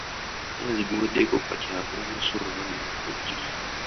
Omwezi guweddeko kati ab’omusolo bagenda kujja.